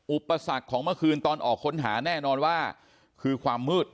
อุปสรรคของเมื่อคืนตอนออกค้นหาแน่นอนว่าคือความมืด